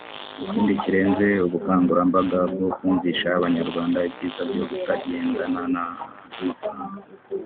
Ikindi kirenze ubukangurambaga bwo kumvisha Abanyarwanda ibyiza byo kutagendana amafaranga